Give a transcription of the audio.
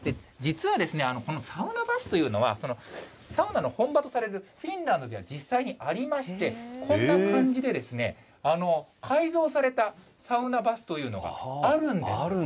実は、このサウナバスというのは、サウナの本場とされるフィンランドでは、実際にありまして、こんな感じで改造されたサウナバスというのがあるんです。